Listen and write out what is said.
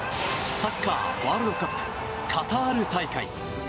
サッカーワールドカップカタール大会。